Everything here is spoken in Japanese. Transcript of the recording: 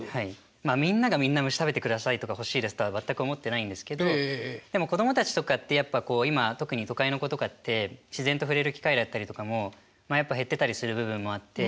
まあみんながみんな虫食べてくださいとかほしいですとは全く思ってないんですけどでも子供たちとかってやっぱこう今特に都会の子とかって自然と触れる機会だったりとかもやっぱ減ってたりする部分もあって。